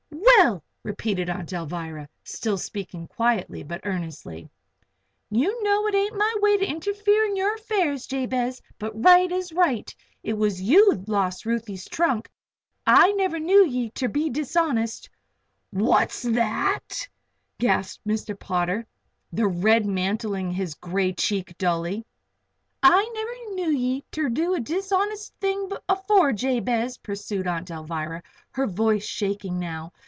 "Well," repeated Aunt Alvirah, still speaking quietly but earnestly. "You know it ain't my way to interfere in your affairs, Jabez. But right is right. It was you lost Ruthie's trunk. I never knew ye ter be dishonest " "What's that?" gasped Mr. Potter, the red mantling his gray cheek dully. "I never knew ye ter do a dishonest thing afore, Jabez," pursued Aunt Alvirah, with her voice shaking now.